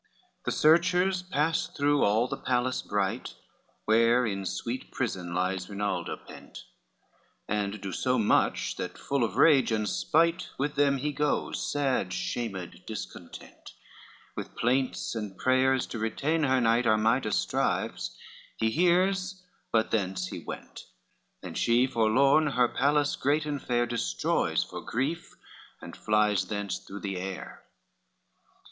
The searchers pass through all the palace bright Where in sweet prison lies Rinaldo pent, And do so much, that full of rage and spite, With them he goes sad, shamed, discontent: With plaints and prayers to retain her knight Armida strives; he hears, but thence he went, And she forlorn her palace great and fair Destroys for grief, and flies thence through the air.